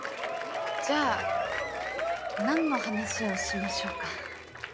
じゃあ何の話をしましょうか。